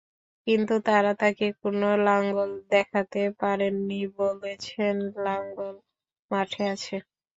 কিন্তু তাঁরা তাঁকে কোনো লাঙল দেখাতে পারেননি, বলেছেন লাঙল মাঠে আছে।